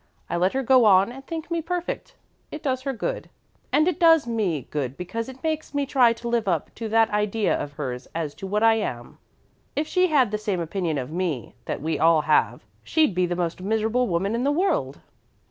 I let her go on and think me perfect. It does her good, and it does me good because it makes me try to live up to that idea of hers as to what I am. If she had the same opinion of me that we all have she'd be the most miserable woman in the world."